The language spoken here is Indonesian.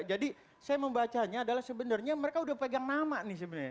jadi saya membacanya adalah sebenarnya mereka sudah pegang nama nih sebenarnya